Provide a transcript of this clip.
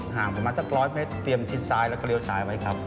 ห่างประมาณสัก๑๐๐เมตรเตรียมทิศไซด์และเกลียวไซด์ไว้ครับ